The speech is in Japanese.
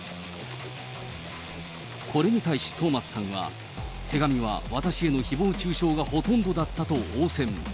これに対しトーマスさんは、手紙は私へのひぼう中傷がほとんどだったと応戦。